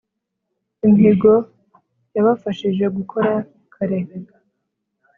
Imihigo yabafashije gukora kare